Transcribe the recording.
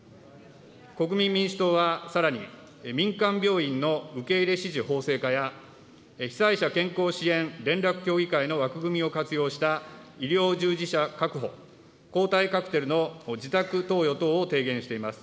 国民民主党はさらに、民間病院の受入指示法制化や、被災者健康支援連絡協議会の枠組みを活用した医療従事者確保、抗体カクテルの自宅投与等を提言しています。